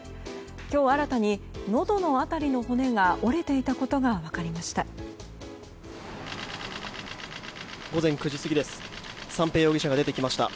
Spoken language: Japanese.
今日新たに、のどの辺りの骨が折れていたことが分かりました。